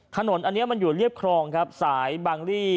ถนนอันนี้มันอยู่เรียบครองครับสายบางลี่